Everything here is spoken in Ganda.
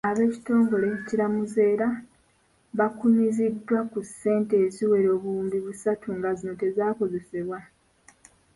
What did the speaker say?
Ab'ekitongole ekiramuzi era bakunyiziddwa ku ssente eziwera obuwumbi busatu nga zino tezaakozesebwa.